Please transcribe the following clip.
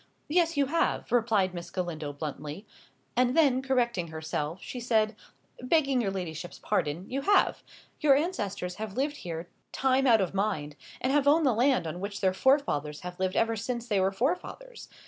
"Yes, you have," replied Miss Galindo, bluntly. And then, correcting herself, she said, "Begging your ladyship's pardon, you have. Your ancestors have lived here time out of mind, and have owned the land on which their forefathers have lived ever since there were forefathers.